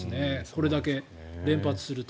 これだけ連発すると。